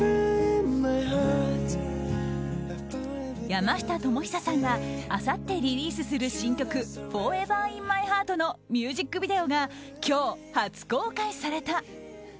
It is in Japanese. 山下智久さんがあさってリリースする新曲「ＦｏｒｅｖｅｒｉｎＭｙＨｅａｒｔ」のミュージックビデオが今日、初公開された。